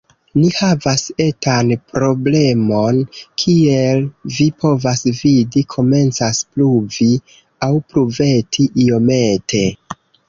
Ni havas etan problemon. Kiel vi povas vidi, komencas pluvi, aŭ pluveti, iomete.